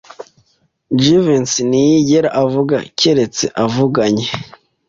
Jivency ntiyigera avuga keretse avuganye.